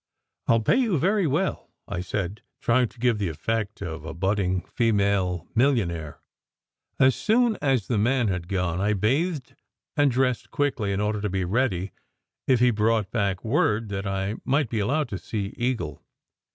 "I ll pay you very well," I said, trying to give the effect of a budding female millionaire. As soon as the man had gone, I bathed and dressed quickly, in order to be ready if he brought back word that I might be allowed to see Eagle.